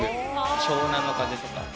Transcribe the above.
湘南乃風とか。